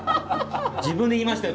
自分で言いましたよ